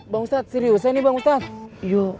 bang ustadz serius ini bang ustadz